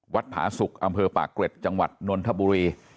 ผาสุกอำเภอปากเกร็ดจังหวัดนนทบุรี